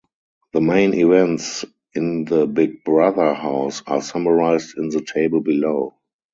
The main events in the Big Brother house are summarised in the table below.